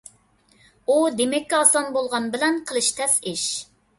ئۇ دېمەككە ئاسان بولغان بىلەن قىلىش تەس ئىش.